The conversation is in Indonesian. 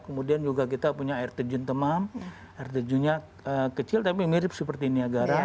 kemudian juga kita punya air tejun temam air tejunnya kecil tapi mirip seperti ini agara